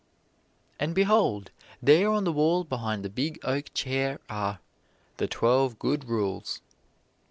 And behold, there on the wall behind the big oak chair are "the twelve good rules."